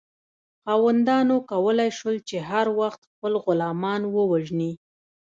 خاوندانو کولی شول چې هر وخت خپل غلامان ووژني.